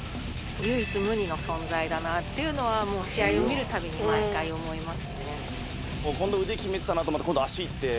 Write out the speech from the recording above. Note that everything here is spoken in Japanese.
唯一無二の存在だなっていうのはもう試合を見るたびに毎回思いますね。